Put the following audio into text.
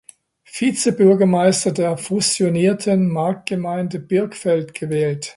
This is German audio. Vizebürgermeister der fusionierten Marktgemeinde Birkfeld gewählt.